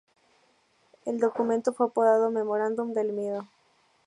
El documento fue apodado "Memorándum del miedo".